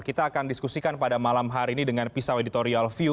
kita akan diskusikan pada malam hari ini dengan pisau editorial view